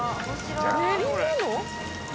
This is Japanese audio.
練り物？